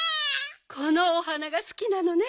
このお花がすきなのね。